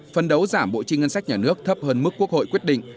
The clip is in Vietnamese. phân đấu giảm bộ chi ngân sách nhà nước thấp hơn mức quốc hội quyết định